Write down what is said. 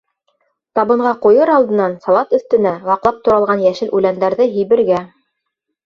Табынға ҡуйыр алдынан салат өҫтөнә ваҡлап туралған йәшел үләндәрҙе һибергә.